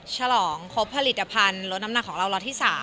ฉลองครบผลิตภัณฑ์ลดน้ำหนักของเราล็อตที่๓